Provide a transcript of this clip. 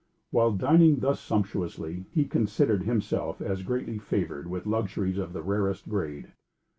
When dining thus sumptuously, he considered himself as greatly favored with luxuries of the rarest grade.